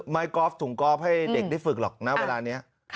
ไม้กอล์ฟถุงกอล์ฟให้เด็กได้ฝึกหรอกนะเวลานี้